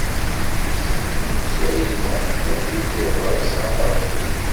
Imselmen ttwalin Muḥemmed i d uɣris ɣef Rebbi.